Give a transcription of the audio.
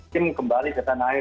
tim kembali ke tanah air